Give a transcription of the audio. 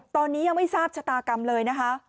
ตอนนี้ยังไม่ทราบชะตากรรมเลยนะคะ